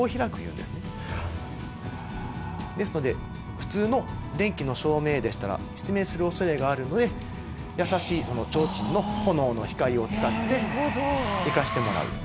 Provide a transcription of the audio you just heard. ですので普通の電気の照明でしたら失明する恐れがあるので優しい提灯の炎の光を使って行かしてもらう。